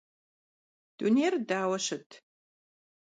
Dunêyr daue şıt?